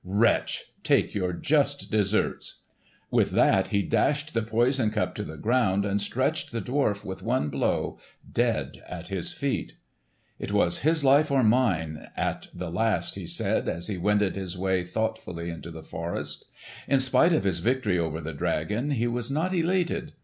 Wretch, take your just deserts!" With that he dashed the poison cup to the ground, and stretched the dwarf, with one blow, dead at his feet. "It was his life or mine at the last," he said, as he wended his way thoughtfully into the forest. In spite of his victory over the dragon, he was not elated.